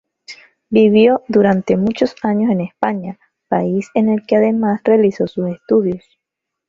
Vivió durante muchos años en España, país en el que además realizó sus estudios.